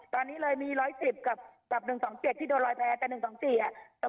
ตอนนี้เลยมี๑๑๐กับ๑๒๗ที่โดนรอยแพ้แต่๑๒๔อ่ะ